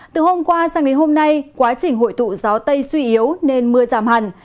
từ hôm qua sang đến hôm nay quá trình hội tụ gió tây suy yếu nên mưa giảm hẳn